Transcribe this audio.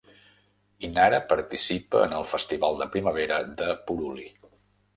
Inara participa en el festival de primavera de Puruli.